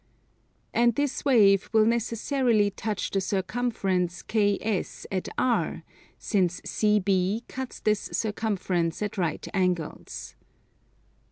And this wave will necessarily touch the circumference KS at R, since CB cuts this circumference at right angles.